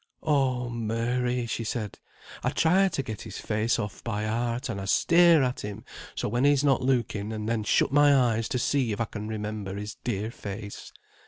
"Oh Mary!" she said, "I try to get his face off by heart, and I stare at him so when he's not looking, and then shut my eyes to see if I can remember his dear face.